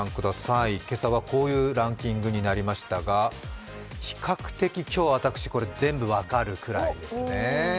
今朝はこういうランキングになりましたが比較的、今日、私全部、分かるくらいですね。